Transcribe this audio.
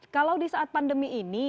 kalau di saat pandemi ini